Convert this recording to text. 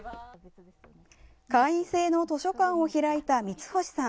会員制の図書館を開いた三星さん。